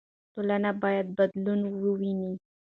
ټولنه به بدلون وویني.